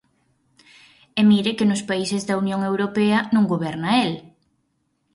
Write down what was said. E mire que nos países da Unión Europea non goberna el.